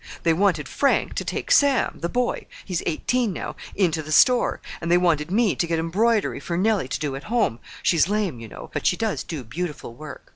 They wanted Frank to take Sam, the boy,—he's eighteen now—into the store, and they wanted me to get embroidery for Nellie to do at home—she's lame, you know, but she does do beautiful work.